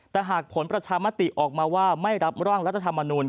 แต่หากผลประชามติออกมาว่าไม่รับร่างรัฐธรรมนูล